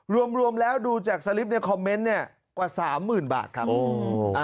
รวมแล้วดูจากสลิปในคอมเมนต์เนี่ยกว่า๓๐๐๐๐บาทครับ